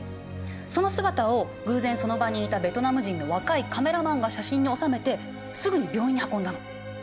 その姿を偶然その場にいたベトナム人の若いカメラマンが写真に収めてすぐに病院に運んだの。